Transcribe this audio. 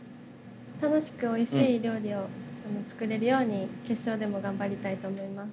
楽しく美味しい料理を作れるように決勝でも頑張りたいと思います